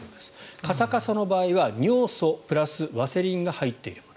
カサカサの場合は尿素プラスワセリンが入っているもの。